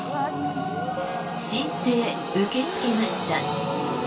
申請受け付けました